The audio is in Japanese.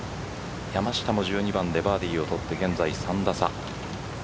山下も１２番でバーディーを取って現在３打差。